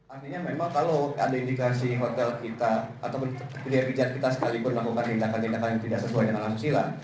artinya memang kalau ada indikasi hotel kita atau pihak pijat kita sekalipun melakukan tindakan tindakan yang tidak sesuai dengan asusila